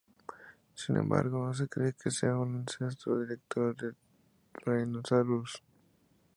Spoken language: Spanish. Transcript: Sin embargo, no se cree que sea un ancestro directo de "Tyrannosaurus".